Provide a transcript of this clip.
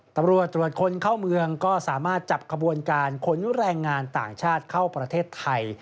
ตำรวจตรวจคนเข้าเมืองก็สามารถจับขบวนการขนแรงงานต่างชาติเข้าประเทศไทย